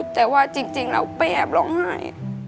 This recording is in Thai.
แต่ว่าจริงแล้วไปแอบร้องไห้